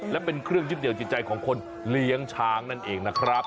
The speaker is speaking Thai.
และเป็นเครื่องยึดเหนียวจิตใจของคนเลี้ยงช้างนั่นเองนะครับ